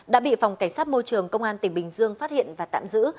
đã bị phòng cảnh sát môi trường công an tỉnh bình dương phát hiện và tạm giữ